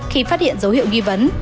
khi phát hiện dấu hiệu nghi vấn